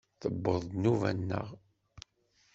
Tewweḍ-d nnuba-nneɣ!